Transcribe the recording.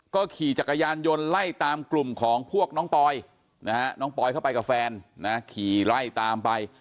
ก็ขี่จักรยานยนต์ไล่ตามกลุ่มของพวกน้องปอยนะฮะน้องปอยเข้าไปกับแฟนนะขี่ไล่ตามไป